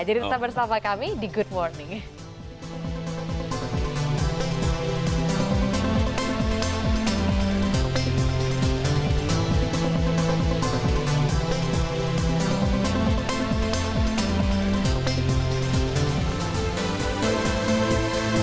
jadi tetap bersama kami di good morning